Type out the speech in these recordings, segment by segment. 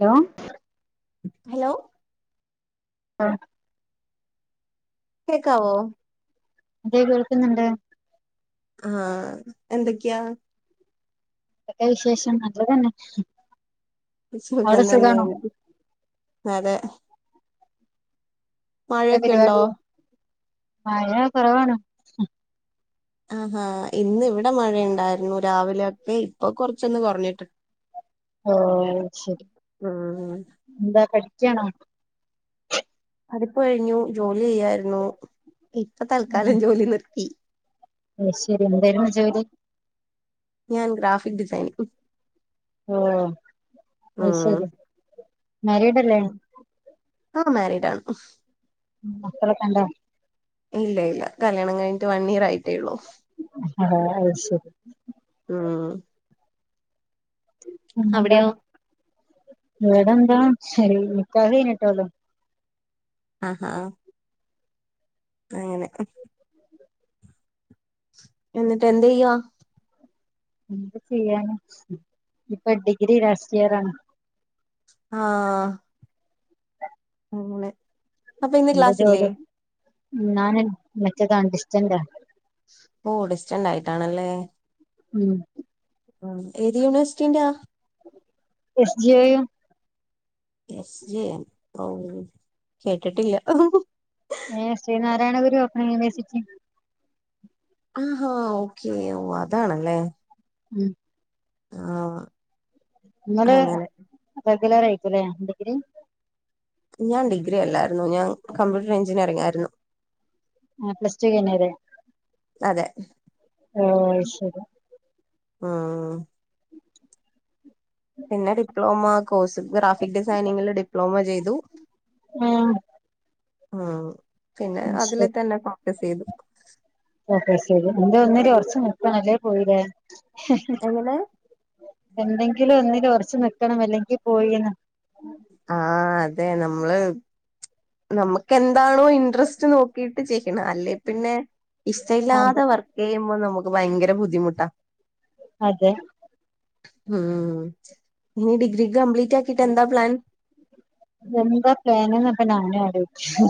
Hello hello ആഹ കേൾക്കാവോ അതെ കേൾക്കുന്നുണ്ട് ആഹ എന്തൊക്കെയാ എന്തൊക്കെയാ വിശേഷം അത്ര തന്നെ സുഖം അവിടെ സുഖാണോ തന്നെയെനിക്കും അതെ എന്ത മഴയൊക്കെ ഉണ്ടോ പരിപാടി മഴ കുറവാണോ ആഹാ ആഹാ ഇന്ന് ഇവിടെ മഴ ഉണ്ടായിരുന്നു രാവിലെയൊക്കെ ഇപ്പൊ കൊറച്ചൊന്ന് കുറഞ്ഞിട്ടുണ്ട് ഓഹ ശരി ഉം എന്താ കഴിക്കാണോ അതിപ്പൊഴിഞ്ഞു ജോലിയ്യാര്ന്നു ഇപ്പ തൽക്കാലം ജോലി നിർത്തി അയ്‌ ശരി എന്തേരുന്നു ജോലി ഞാൻ ഗ്രാഫിക് ഡിസൈനിങ്ങ് ഓഹ് അയ്‌ ശരി ഉം മാരീടല്ലേ ആഹ് മേരീടാണ് മക്കളൊക്കെണ്ടോ? ഇല്ല ഇല്ല കല്യാണം കഴിഞ്ഞിട്ട് വണ്ണിയറായിട്ടേള്ളൂ അഹാ അയ്‌ശരി ഊം പിന്നെന്താ അവിടെയോ ഇവടെന്താ ശരി നിക്കാഹ് കഴിഞ്ഞിട്ടുള്ളൂ അഹ ആഹാ അങ്ങനെ ഹും എന്നിട്ടെന്തീയ്യാ എന്ത് ചെയ്യാന ഇപ്പ ഡിഗ്രി ലാസ്റ്റിയറാണ് ആഹ് [unintelligible] പിന്നെ ഇന്റെ ജോലി ഞാന് മറ്റേ കാണ്ടിസ്റ്റെന്റാ ഓടിസ്റ്റണ്ടായിട്ടാണല്ലേ ഊം ഏത് യൂണിവേഴ്സിറ്റിലാ S G I S G M ഔഹ് കേട്ടിട്ടില്ല ങേഹ് ശ്രീനാരായണ ഗുരു ഓപ്പൺ യൂണിവേഴ്സിറ്റി ആഹോ ഓക്കേ ഓഹ അതാണല്ലേ ഉം ആഹ് ഇങ്ങളെ അങ്ങനെ റെഗുലറേക്കും ല്ലേ ഡിഗ്രി ഞാൻ ഡിഗ്രി അല്ലാരുന്നു ഞാൻ കമ്പ്യൂട്ടർ എഞ്ചിനീയറിംഗായിരുന്നു ആഹ പ്ലസ് ടു കൈഞ്ഞത് അതെ യാഹ് അയ്ശെരി ആഹ് പിന്നെ ഡിപ്ലോമ കോഴ്സ് ഗ്രാഫിക് ഡിസൈനിങ്ങില് ഡിപ്ലോമ ചെയ്തു ഏയൊ ഊം പിന്നെ അതില് തന്നെ ഫോക്കസെയ്തു ഫോക്കസെയ്തു. എന്തെ ഒന്നില് ഒർച്ച് നിക്കണം ല്ലേപോയിലേ എങ്ങനെ എന്തെങ്കിലും ഒന്നില് ഒറച്ച് നിക്കണം അല്ലെങ്കി പോയീന്ന് ആഹ്‌ അതെ നമ്മള് നമ്മക്ക് എന്താണോ ഇൻട്രസ്റ്റ് നോക്കിട്ട് ചെയ്യണം. അല്ലെ പിന്നെ അതെ ഇഷ്ടഇല്ലാതെ വർക് ക്കെയ്യുമ്പൊ നമുക്ക് ഭയങ്കര ബുദ്ധിമുട്ടാ അതെ ഊം ഇനി ഡിഗ്രി കംപ്ലീറ്റാക്കീട്ടെന്താ പ്ലാൻ എന്താ പ്ലാന് നാപ്പൊ നാനും അലോയ്ച്ച്ണ്.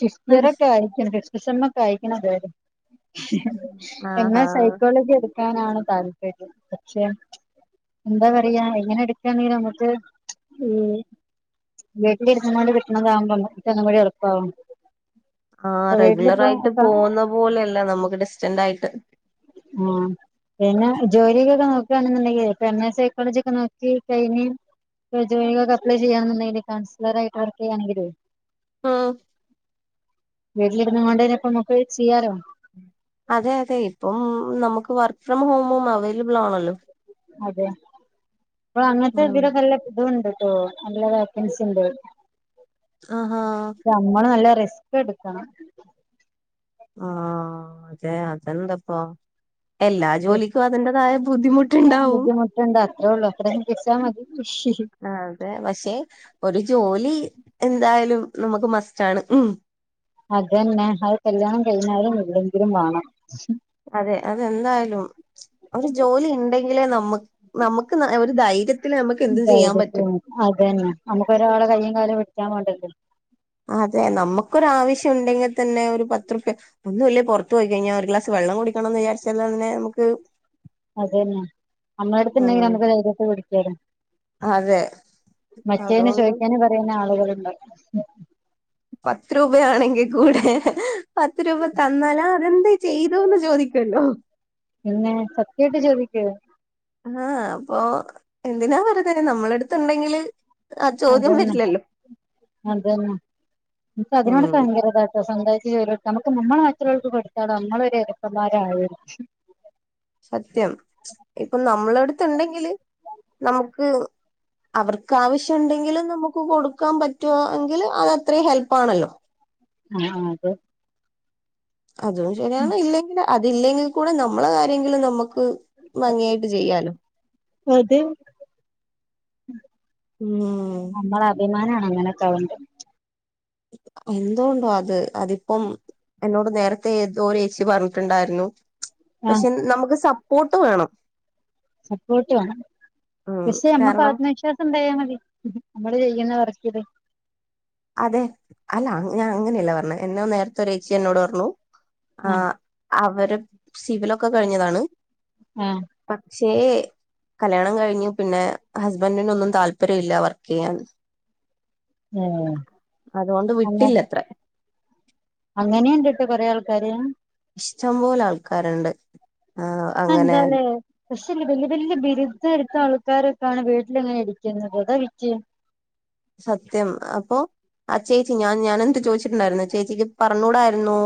കിട്ടിയേതൊക്കെ ആയിക്ക്ണ് സാണ്ണൊക്കെ [unintelligible] എങ്ങെ ആഹാ സൈക്കോളജി എടുക്ക ക്കാനാണ് താല്പര്യം. പക്ഷെ എന്താ പറയാ എങ്ങനെ എട്ക്കാങ്കയ്യണമ്മക്ക് ഈ വീട്ടിലിരുന്നുങ്ങോണ്ട് കിട്ടണതാകുമ്പം നമ്മക്കൊന്നും കൂടി എളുപ്പാവും ആ റെഗുലറായിട്ട് പോവുന്ന പോലെല്ല നമുക്ക് ഡിസ്റ്റന്റായിട്ട് ഉം കൈഞ്ഞ ജോലിക്കൊക്കെ നോക്കാണ്ന്നുണ്ടെങ്കിൽ എം എസ് സൈക്കോളജി ഒക്കെ നോക്കി കയിഞ്ഞ് ജോലിക്കൊക്കെ അപ്ലൈ ചെയ്യാന്നുണ്ടെങ്കില് കൗൺസിലറായിട്ട് വർക്ക് ചെയ്യാണെങ്കിലേ ആഹ്‌ വീട്ടിലിരുന്നുകൊണ്ടന്നെ പ്പമ്മക്ക് ചെയ്യാലോ അതെ അതെ ഇപ്പം നമുക്ക് വർക്ക് ഫ്രം ഹോമും അവൈലബിൾ ആണല്ലോ അതെ ഇപ്പളങ്ങനത്തെ ഉം ഇതിരക്കെല്ല ഇതുംണ്ട് കേട്ടോ നല്ല വാക്കൻസി ഉണ്ട് ആ ഹാ നമ്മള് നല്ല റിസ്ക്ട്ക്കണം ആഹ്‌ അതെ അതെന്തപ്പോ എല്ലാ ജോലിക്കും അതിന്റതായ ബുദ്ധിമുട്ടുണ്ടാവും ബുദ്ധിമുട്ടുണ്ട് അത്രേ ഉള്ളൂ അത്ര ചികിത്സാ മതി ആ അതെ, പക്ഷെ ഒരു ജോലി എന്തായാലും നമുക്ക് മസ്റ്റാണ് ഉം അതന്നെ, അത് കല്യാണം കഴിഞ്ഞാലും ഇല്ലെങ്കിലും വേണം അതെ അതെന്തായാലും ഒരു ജോലി ഇണ്ടെങ്കിലേ നമ്മ് നമുക്ക് ഒരു ധൈര്യത്തില് നമുക്ക് എന്തും ചെയ്യാൻ പറ്റും ധൈര്യത്തിന് അതന്നെ നമ്മുക്കൊരാളെ കയ്യും കാലം വിടിക്കാൻ പോണ്ടല്ലോ അതെ, നമ്മക്കൊരാവശ്യണ്ടെങ്കി തന്നെ ഒരു പത്തുർപ്യ ഒന്നും ഇല്ലേ പൊറത്ത് പോയി കഴിഞ്ഞ ഒരു ഗ്ലാസ് വെള്ളം കുടിക്കണംന്ന് വിചാരിച്ചാൽതന്നെ നമുക്ക് അതെന്നെ. നമ്മളടുത്ത്ണ്ടെങ്കിൽ ഉം നമുക്ക് ധൈര്യട്ട് കുടിക്കായിരുന്ന് അതെ മറ്റേന് അതുകൊണ്ട് ചോയ്ക്കാന് പറയാനു ആളുകളുണ്ട് പത്ത് രൂപയാണെങ്കി കൂടെ പത്ത് രൂപ തന്നാലാഅതെന്താ ചെയ്തൂന്ന് ചോദിക്കല്ലോ പിന്നേ സത്യായിട്ട് ചോദിക്കെ ആഹ്‌ അപ്പൊ എന്തിനാ വെറുതെ നമ്മളട്ത്ത്ണ്ടെങ്കില് അതന്നെ, അതന്നെ ഇന്ക്കതിനോടൊക്കെ ഉം ഭയങ്കര താട് സ്വാന്തായിറ്റ് നമുക്ക് നമ്മളകാര്യത്തിന് ചോയിക്കുമ്പോ എടുത്താടോ നമ്മളൊരുഎരക്കന്മാരായ സത്യം ഇപ്പൊ നമ്മളടുത്തുണ്ടെങ്കില് നമുക്ക് അവർക്കാവിശ്യണ്ടെങ്കില്, നമുക്ക് കൊടുക്കാൻ പറ്റോ എങ്കില് അതത്രയും ഹെൽപ്പാണല്ലോ അആഹ്‌ അതും അതും ശരിയാണ്. ഇല്ലെങ്കിൽ അതില്ലെങ്കിൽ കൂടെ നമ്മളെ കാര്യങ്കിലും നമ്മക്ക് ഭംഗിയായിട്ട് ചെയ്യാലോ അതെ ഉം വിമാനാണ അങ്ങനെക്കാവണ്ട് എന്തോണ്ടോ അത് അതിപ്പം എന്നോട് നേരത്തെ ഏതോ ചേച്ചി പറഞ്ഞിട്ടുണ്ടായിരുന്നു ആ പക്ഷെ നമുക്ക് സപ്പോർട്ട് വേണം സപ്പോർട്ട് ഉം പക്ഷേ കാരണം നമ്മക്കതേന്നുവച്ചാ [unintelligible] മതി നമ്മള് ചെയ്യുന്ന വർക്കല് അതെ അല്ല ഞാൻ അങ്ങനെയല്ല പറഞ്ഞേ എന്നോ നേരത്തെ ഒരു ചേച്ചി എന്നോട് പറഞ്ഞു ആ ആഹ് അവര് സിവിലൊക്കെ കഴിഞ്ഞതാണ് ഉം പക്ഷേ കല്യാണം കഴിഞ്ഞു പിന്നെ ഹസ്ബന്റിനൊന്നും താല്പര്യം ഇല്ല വർക്ക് ചെയ്യാൻ ഉം അതോണ്ട് വിട്ടില്ലത്രെ അങ്ങനെയുണ്ട്ട്ട കൊറെ ആൾക്കാര് ഇഷ്ടം പോലെ ആൾക്കാരുണ്ട് ആഹ് അത് അങ്ങനെ എന്താലേ പക്ഷേ ഇല്ല വലിയ വലിയ ബിരുദം എടുത്താൾക്കാരൊക്കെയാണ് വീട്ടിലിങ്ങനെ ഇരിക്കുന്നത് അതാ വിറ്റ് സത്യം അപ്പൊ ആഹ് ചേച്ചി ഞാൻ ഞാൻ എന്ത് ചോദിച്ചിട്ടുണ്ടായിരുന്നു ചേച്ചിക്ക് പറഞ്ഞൂടായിരുന്നു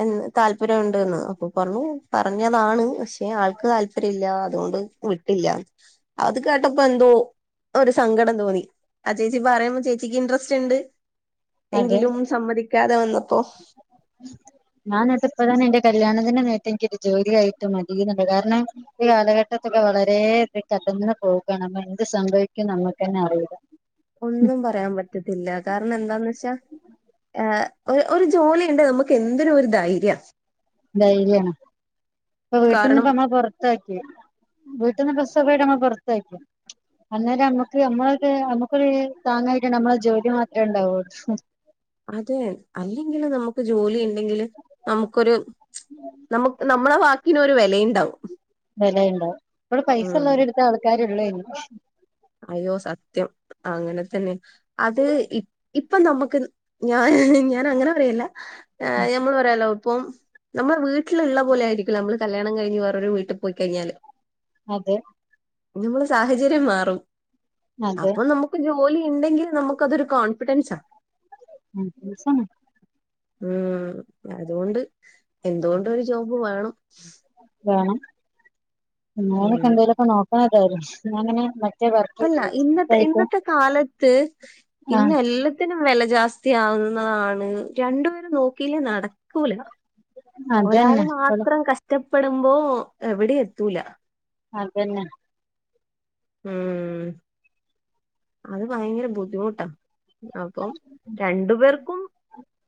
എ താല്പര്യംണ്ടന്ന് അപ്പൊ പറഞ്ഞു പറഞ്ഞതാണ് പക്ഷെ ആൾക്ക് താല്പര്യം ഇല്ല അതുകൊണ്ട് വിട്ടില്ല അത് കേട്ടപ്പോ എന്തോ ഒരു സങ്കടം തോന്നി ആഹ് ചേച്ചി പറയുമ്പോൾ ചേച്ചിക്ക് ഇൻട്രസ്റ്റ് ഉണ്ട് അതെ എങ്കിലും സമ്മതിക്കാതെ വന്നപ്പോ [unintelligible] ഞാൻ ട്ട ഇപ്പ തന്നെ എന്റെ കല്യാണത്തിന് നേട്ട് എനിക്കൊ ഒരു ജോലിയായിട്ട് മതിയുന്നുണ്ട് കാരണം ഈ കാലഘട്ടത്തൊക്കെ വളര കടന്ന് പോകാണ് എന്ത് സംഭവിക്കുന്ന്‌ നമ്മുക്ക് തന്നെ അറിയില്ല ഒന്നും പറയാൻ പറ്റത്തില്ല കാരണം എന്താന്ന് വെച്ചാ ആഹ് ഒരു ജോലിയുണ്ടെ നമ്മുക്ക് എന്തിനും ഒരു ധൈര്യ ധൈര്യാണ് ഇപ്പൊ കാരണം വീട്ടിൽന്ന്പ്പറഞ്ഞ പുറ പുത്താക്കി വീട്ടിന്ന് [unintelligible] പുറത്താക്കി അന്നേരം നമ്മുക്ക് നമ്മളൊക്ക നമ്മുക്കൊരു താങ്ങായിട്ട് നമ്മള ജോലി മാത്രമേ ഉണ്ടാവുള്ളു അതെ അല്ലെങ്കിൽ നമുക്ക് ജോലി ണ്ടെങ്കിൽ നമുക്കൊരു നമ നമ്മളെ വാക്കിന് ഒരു വിലയുണ്ടാവും വിലയുണ്ടാവും [unintelligible] പൈസ ഉള്ളരെടുത്തെ ആൾക്കാരുള്ളെ അയ്യോ സത്യം അങ്ങനെ തന്നെ അത് ഇപ്പം നമുക്ക് ഞ ഞാൻ അങ്ങനെ പറയല്ല ആഹ് ഞമ്മൾ പറയാല്ലോ ഇപ്പം നമ്മൾ വീട്ടിലുള്ള പോലെ ആയിരിക്കില്ല നമ്മള് കല്യാണം കഴിഞ്ഞ് വേറൊരു വീട്ടിൽ പോയി കഴിഞ്ഞാല് അതെ [unintelligible] സാഹചര്യം മാറും അതെ അപ്പൊ നമ്മുക്ക് ജോലി ഉണ്ടെങ്കിൽ നമ്മുക്ക് അതൊരു കോൺഫിഡൻസാ ഉം [unintelligible] ഉം അതുകൊണ്ട് എന്തുകൊണ്ടൊരു ജോബ് വേണം വേണം [unintelligible] ഉം എന്തെലും ഒക്കെ നോക്കണതായി ഞങ്ങനെ അല്ല ഇന്നത്തെ ഇന്നത്തെ കാലത്ത് ഇന്ന് ആഹ് എല്ലാ ത്തിനും വില ജാസ്തിയാവുന്നതാണ് രണ്ടുപേരും നോക്കില്ലേ നടക്കൂല ഒരാള് അതന്നെ മാത്രം കഷ്ടപ്പെടുമ്പോ എവിടെയും എത്തൂല അതന്നെ ഉം അത് ഭയങ്കര ബുദ്ധിമുട്ടാ അപ്പം രണ്ടു പേർക്കും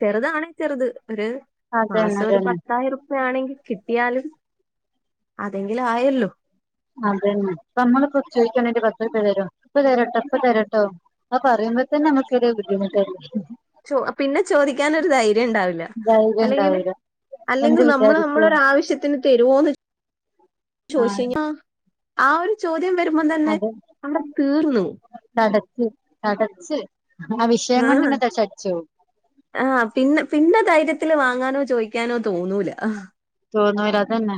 ചെറുതാണേ ചെറുത് ഒരു അതന്നെ മാസം ഒരു അതന്നെ പത്തായിരം രൂപ ആണെങ്കിൽ കിട്ടിയാലും അതെങ്കിലും ആയല്ലോ അതന്ന നമ്മള് കു ചോദിക്കാണെ പത്ര തരും ഇപ്പ തരട്ടോ ഇപ്പൊ തരട്ടോ ആഹ് പറയുമ്പോൾ തന്നെ നമുക്ക്ഏറെ ബുദ്ധിുട്ടായിരിക്കും ചോ പിന്നെ ചോദിക്കൻ ഒരു ധൈര്യം ഉണ്ടാവില്ല ധൈര്യം അല്ലെങ്കില് ഉണ്ടാവൂല അല്ലെങ്കിൽ എന്ത് നമ്മൾ നമ്മളൊ വിചാരിക്കും ആവശ്യത്തി ന് തരുവോന്ന് ആഹ് ചോദിച്ച ആഹ് ഒരു ചോദ്യം വരുമ്പോം തന്നെ അത് അവിടെ തീർന്നു വിഷയം ആഹ് കൊണ്ടതന്ന് ചടിച്ചോ ആഹ് പിന്നെ പിന്ന ധൈര്യത്തിൽ വാങ്ങാനോ ചോദിക്കാനോ തോന്നൂല തന്നോയില്ലതന്നെ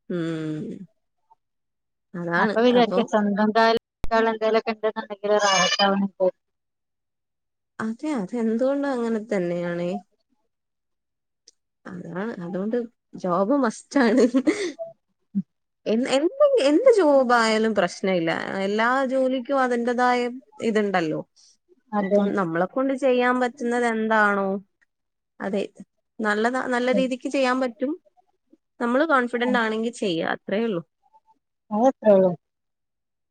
ഉം അപ്പൊ വിചാരിക്ക സ്വന്തം ക്കാരിയതിന് എന്തായൊക്കെ ഉണ്ടെന്നുണ്ടെങ്കിൽ അതെ അതെ എന്തുകൊണ്ട അങ്ങനെ തന്നെയാണ് അതാണ് അതുകൊണ്ട് ജോബ് മസ്റ്റണ് എ എന്ത് എന്ത് ജോബായാലും പ്രശ്ന ഇല്ല എല്ലാ ജോലിക്കും അതിന്റതായ ഇതുണ്ടല്ലോ ഇപ്പം അതന്നെ നമ്മള കൊണ്ട് ചെയ്യാൻ പറ്റുന്നത് എന്താണോ അതെ നല്ലത നല്ല രീതിക്ക് ചെയ്യാൻ പറ്റും നമ്മള് കോൺഫിഡന്റ് ആണെങ്കിൽ ചെയ്യുക അത്രയേ ഉള്ളൂ. അങ്ങേതാ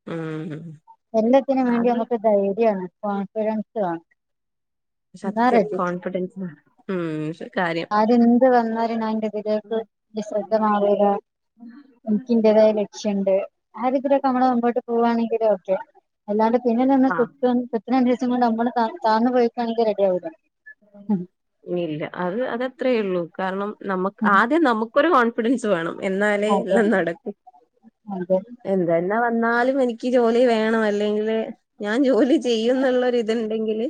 ഉം എല്ലാത്തിനും വേണ്ടി അതിൽ നമക്ക് ധൈര്യമാണ് കോൺഫിഡൻസണ് സത്യം കോൺഫിഡൻസ് കാര്യം ആര്ന്ത് വന്നാല എൻ്റെ ഇതിലേക്ക് വിശ്രദ്ധമാവുക. ഇന്കിന്റേതായ ലക്ഷ്യമുണ്ട് ആരിതിലൊക്കെ നമ്മടെ മുമ്പോട്ട് പോുവാണെങ്കിലും ഓക്കെ- അല്ലാണ്ട് പിന്നെ ആ നിന്ന്ത്തിനണ്ട വസം കൊണ്ട് നമ്മള് താന്നു പോയിക്കയാണെങ്കിൽ റെഡിയാവുലാ ഇല്ല അത് അതത്രേ ഉള്ളൂ കാരണം നമുക്ക് ആദ്യം നമുക്ക് ഒരു കോൺഫിഡൻസ് വേണം എന്നാലേ എല്ലാം നടക്കു. അതെ അതെ എന്തന്നെ വന്നാലും എനിക്ക് ജോലി വേണം അല്ലെങ്കില്- ഞാൻ ജോലി ചെയ്യും എന്നുള്ളൊരിതുണ്ടെങ്കില്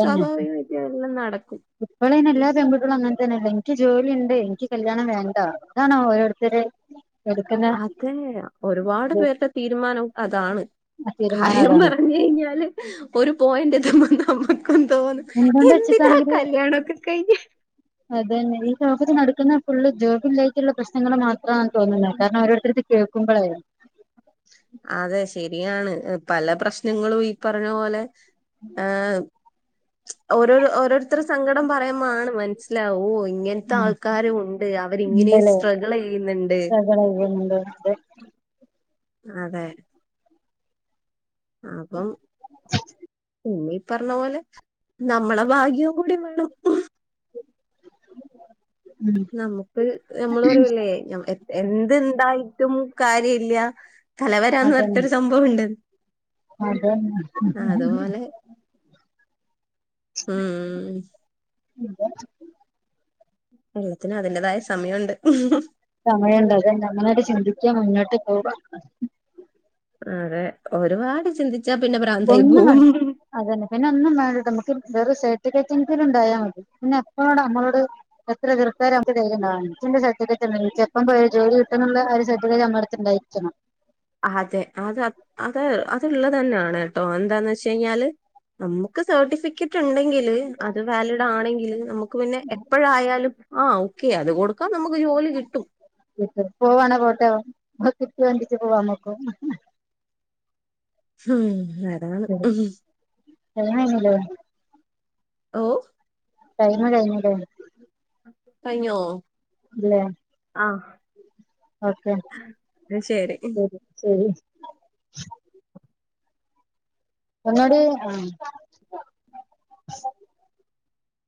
സ്വാഭാവിക വിദ്യ എല്ലാം നടക്കും ഇപ്പള യ്ൻ എല്ലാ പെൺകുട്ടികളും അങ്ങനെ തന്നെയല്ല എനിക്ക് ജോലി ഉണ്ട് എനിക്ക് കല്യാണം വേണ്ട. ന്താണാവോ ഓരോരുത്തർ അതെ ഒരുപാട് പേരുടെ തീരുമാനം അതാണ് തീരുമാനം കാര്യം അതാണ് പറഞ്ഞ കഴിഞ്ഞാല് ഒരു പോയിന്റ് എതുമ്പോ നമുക്കും തോന്നു എന്തൊണ്ട് വെച്ചിട്ടാണെങ്കില് അത തന്നെ ഈ ലോകത്ത് നടക്കുന്ന ഫുള് ജോബിലേക്കുള്ള പ്രശ്നൾ മാത്രം ആ തോന്നുന്നില്ല കാരണം അവരോരുത്തരു കേൾക്കുമ്പോയിും അതെ ശരിയാണ് പല പ്രശ്നങ്ങളും ഈ പറഞ്ഞ പോലെ ആഹ് ഓരോ ഓരോരു ത്ര സങ്കടം പറയുമ്പാണ് മനസ്സിലാവോ ഇങ്ങനത്തെ ഉം ആൾക്കാര ഉണ്ട് അവരിങ്ങനെ- സ്ട്രഗിൾ യ്യുന്നുണ്ട് ഉണ്ട് അതെ അപ്പം പറഞ്ഞ പോലെ നമ്മളെ ഭാഗ്യ കൂടി വേണം ഉം നമുക്ക് നമ്മള് പറയല്ലേ എന്ത്‌ ണ്ടയിട്ടും കാര്യമില്ല തലവരന്ന് പറഞ്ഞട്ടരു സംഭവണ്ട് അതെന്നെ ഉം ഉല്ല എല്ലാത്തിനും അതിന്റേതായ സമയുണ്ട് സമയണ്ട് അതങ്ങനങ്ങാട്ട് ചിന്തിക്ക മുന്നോട്ട് പോക അതെ ഒരുപാട് ചിന്തിച്ചാ പിന്നെ ഭ്രാന്തൈ ഒന്നും പോവും വേണ്ട അതന്നെ പിന്നെ ഒന്നും വേണ്ടിട്ട് നമുക്ക് വേറെരു സേർട്ടഫിക്കറ്റ് എങ്കുംണ്ടായാ മതി പിന്നെ എപ്പളോട് നമ്മളോട് എത്ര എതിർത്തരംക്ക് ദൈര്യണ്ടാവാന്. എച്ചെന്റെ സർട്ടിഫറ്റ് ഇണ്ടല്ലോ എച്ചപ്പം പോയാ ഒരു ജോലി കിട്ടുന്നുള്ള ആ ഒരു സർട്ടിഫിക്കറ്റ് ഞമ്മളെ ടുത്തുണ്ടാരിക്കണം. അതെ അത അത അത്ള്ളത് തന്നെയാണ് കേട്ടോ എന്താന്ന് വെച്ച് കഴിഞ്ഞാല് നമുക്ക് സർട്ടിഫിക്കറ്റ് ണ്ടെങ്കില് അത് വാലിഡ് ആണെങ്കിൽ നമുക്ക് പിന്നെ എ എപ്പോഴായാലും ആഹ് ഓക്കെ അത് കൊടുക്കാം നമുക്ക് ജോലി കിട്ടും ഇട്ട് പോവാണേ പോട്ടെ [unintelligible] കിട്ടിയ വണ്ടിക്ക് പോവാ നമ്മക്കും ഉം അതാണ് ഉം ടൈമ് കഴിഞ്ഞില്ലേ? ഓഹ് ടൈമ് കഴിഞ്ഞു ലേ കഴിഞ്ഞോ? ഇല്ലേ ആഹ് ഓക്കെ ശരി ശരി ശരി ഒന്നോടി ആഹ്